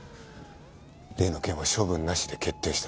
例の件は処分なしで決定した。